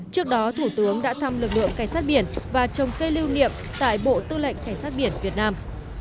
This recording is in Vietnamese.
trước đó thủ tướng đã thăm lực lượng cảnh sát biển và trồng cây lưu niệm tại bộ tư lệnh cảnh sát biển việt nam